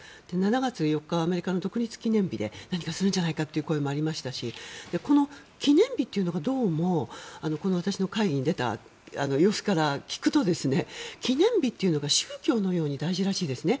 ７月４日はアメリカの独立記念日で何かするんじゃないかという声もありましたしこの記念日というのがどうも会議に出た様子から聞くと記念日というのが宗教のように大事らしいですね。